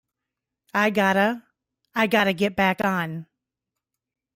I gotta, I gotta get back on.